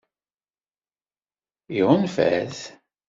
Iɣunfa-t?